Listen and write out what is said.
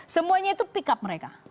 semuanya itu pick up mereka